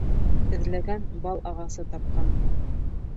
Эҙләгән бал ағасы тапҡан.